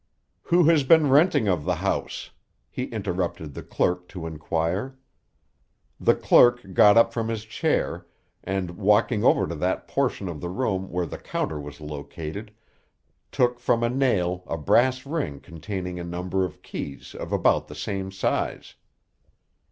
"Who has the renting of the house?" he interrupted the clerk to inquire. The clerk got up from his chair, and, walking over to that portion of the room where the counter was located, took from a nail a brass ring containing a number of keys of about the same size.